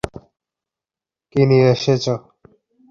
কি নিয়ে এসেছো?